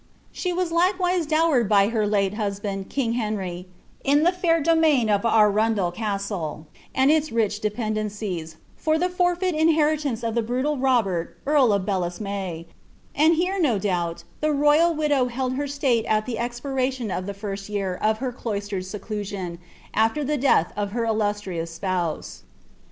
* She was likewise dowered by her late husband, king Henry, in the fair domain of Arundel Castle, and its rich dependencies, the for feit inheritance* of the brutal Robert earl of Belesme ; and here, no doubt, the royal widow held her state at the expiration of the first year of cloistered seclusion, after the death of her illustrious spouse.